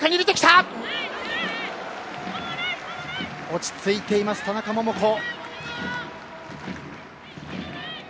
落ち着いています、田中桃子。